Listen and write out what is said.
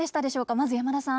まず山田さん。